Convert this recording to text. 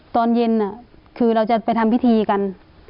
ตอนเย็นคือเราจะไปทำพิธีกัน